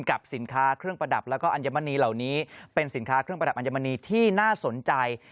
กับสินค้าเครื่องประดับแล้วก็อัญมณีเหล่านี้เป็นสินค้าเครื่องประดับอัญมณีที่น่าสนใจ